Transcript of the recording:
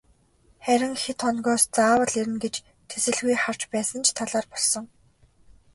Харин хэд хоногоос заавал ирнэ гэж тэсэлгүй харж байсан ч талаар болсон.